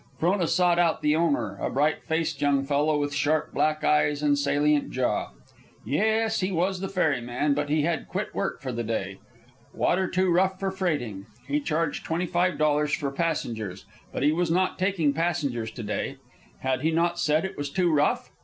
Frona sought out the owner, a bright faced young fellow, with sharp black eyes and a salient jaw. Yes, he was the ferryman, but he had quit work for the day. Water too rough for freighting. He charged twenty five dollars for passengers, but he was not taking passengers to day. Had he not said it was too rough?